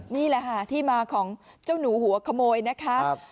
นี่แหละค่ะที่มาของเจ้าหนูหัวขโมยนะคะ